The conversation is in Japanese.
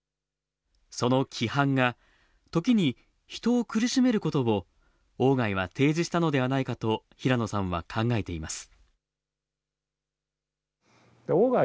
その規範が、時に人を苦しめることを、鴎外は提示したのではないかと、平野さんは考えています。